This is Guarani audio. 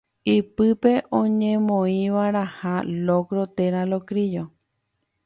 ipype oñemoĩva'erãha locro térã locrillo